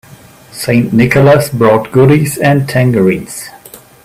St. Nicholas brought goodies and tangerines.